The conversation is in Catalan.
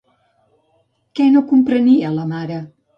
Què no comprenia, la mare?